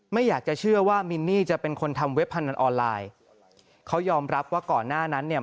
ไม่อยากจะเชื่อว่ามินนี่จะเป็นคนทำเว็บพนันออนไลน์เขายอมรับว่าก่อนหน้านั้นเนี่ย